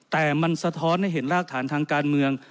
แต่มันสะท้อนให้เห็นรากฐานทางการเมือง